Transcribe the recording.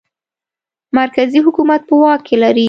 مرکزي حکومت په واک کې لري.